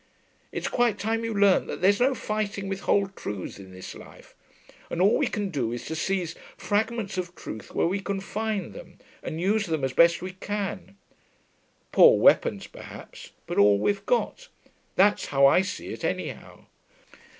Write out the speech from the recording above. It's quite time you learnt that there's no fighting with whole truths in this life, and all we can do is to seize fragments of truth where we can find them, and use them as best we can. Poor weapons, perhaps, but all we've got. That's how I see it, anyhow....